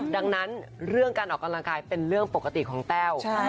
ดังนั้นเรื่องการออกกำลังกายเป็นเรื่องปกติของแต้ว